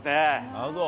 なるほど。